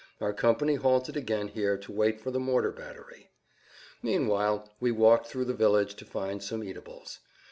Our company halted again here to wait for the mortar battery. Meanwhile we walked through the village to find some eatables.